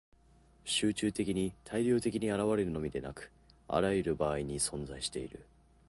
集中的に大量的に現れるのみでなく、あらゆる場合に存在している。